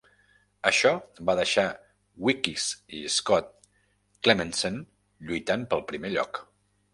Això va deixar Weekes i Scott Clemmensen lluitant pel primer lloc.